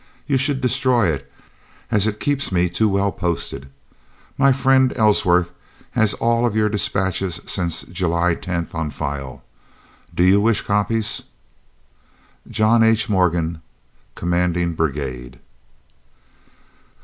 You should destroy it, as it keeps me too well posted. My friend Ellsworth has all of your dispatches since July 10 on file. Do you wish copies? JOHN H. MORGAN, Commanding Brigade.